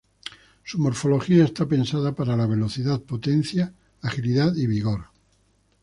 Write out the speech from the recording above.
Su morfología está pensada para la velocidad, potencia, agilidad y vigor.